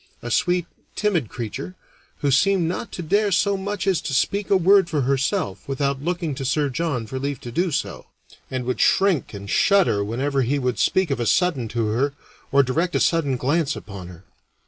A sweet, timid creature, who seemed not to dare so much as to speak a word for herself without looking to Sir John for leave to do so, and would shrink and shudder whenever he would speak of a sudden to her or direct a sudden glance upon her.